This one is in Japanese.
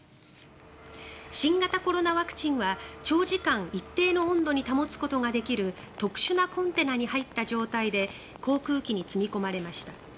新型コロナワクチンは長時間一定の温度に保つことができる特殊なコンテナに入った状態で航空機に積み込まれました。